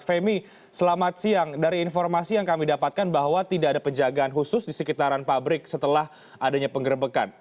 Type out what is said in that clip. femi selamat siang dari informasi yang kami dapatkan bahwa tidak ada penjagaan khusus di sekitaran pabrik setelah adanya penggerbekan